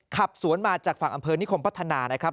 ขับสวนมาจากฝั่งอำเภอนิคมพัฒนานะครับ